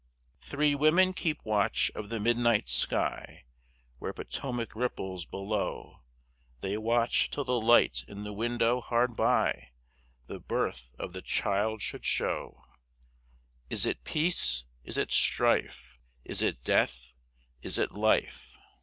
Three women keep watch of the midnight sky Where Potomac ripples below; They watch till the light in the window hard by The birth of the child shall show. Is it peace? Is it strife? Is it death? Is it life?